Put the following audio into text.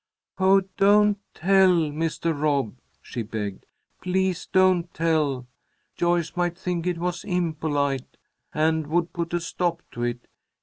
"Oh, don't tell, Mister Rob," she begged. "Please don't tell. Joyce might think it was impolite, and would put a stop to it.